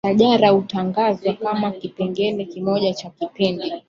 shajara hutangazwa kama kipengele kimoja cha kipindi